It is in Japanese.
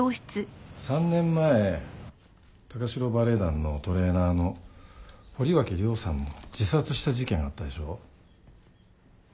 ３年前高城バレエ団のトレーナーの堀脇涼さんの自殺した事件あったでしょ？